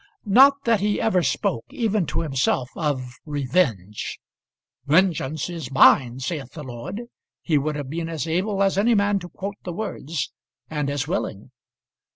Not that he ever spoke even to himself of revenge. "Vengeance is mine, saith the Lord." He would have been as able as any man to quote the words, and as willing.